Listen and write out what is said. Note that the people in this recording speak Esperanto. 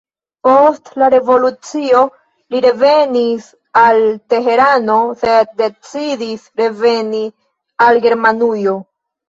Post la revolucio li revenis al Teherano sed decidis reveni al Germanujo.